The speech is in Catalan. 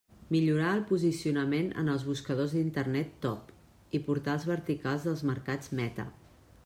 Millorar el posicionament en els buscadors d'internet TOP i portals verticals dels mercats meta.